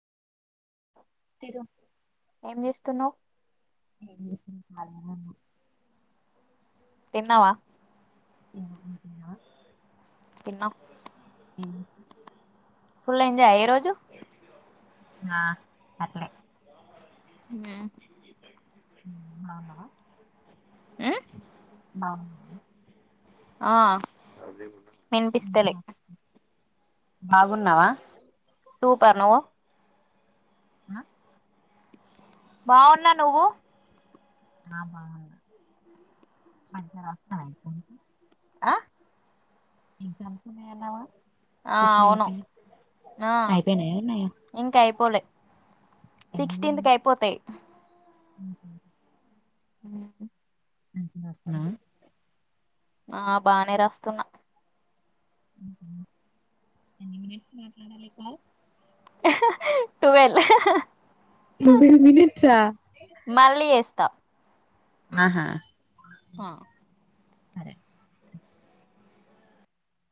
తిరు ఏంజే తిన్నావ్ ఎం చేస్తున్నారు ఖాళీగానే తిన్నావా ఏ అనా తిన్న ఎం ఫుల్ ఎంజాయ్ ఆ ఈ రోజు ఆ అట్లే హు అవునా హు ఆ ఆ మంచిగా వినిపిస్తలే రాస్తున్నా. బాగున్నావా సూపర్ నువ్వు ఆ బావున్నా నువ్వు ఆ బాగున్నా మంచిగా రాస్తాడా ని కొడ్ ఆ ఎగ్జామ్స్ ఉన్నాయన్నావ్ గా ఆ అవును ఆ అయిపోయినాయా ఉన్నాయా ఇంకా అయిపోలే సిక్స్టీన్త్కి అయిపోతాయ్ మ్ హు మ్ మంచిగా రాస్తున్నవ ఆ బానే రాస్తున్నా ఎన్ని మినిట్స్ మాట్లాడాలి ఈ కాల్ టువెల్ ట్వెల్వ్ మినిట్సా మళ్ళీ చెస్తా ఆహా ఆ సరే